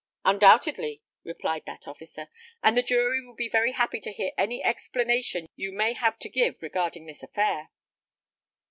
"Undoubtedly," replied that officer; "and the jury will be very happy to hear any explanation you may have to give regarding this affair."